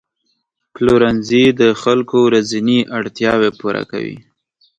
پلورنځي د خلکو ورځني اړتیاوې پوره کوي.